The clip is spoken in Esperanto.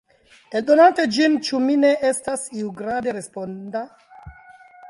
Eldonante ĝin, ĉu mi ne estas iugrade responda?